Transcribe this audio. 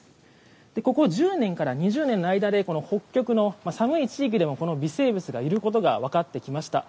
ここ１０年から２０年の間で北極の寒い地域でもこの微生物がいることが分かってきました。